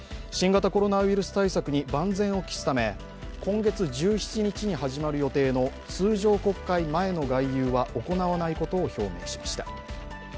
新型コロナウイルス対策に万全を期すため今月１７日に始まる予定の通常国会前の外遊は行わないことを表明しました。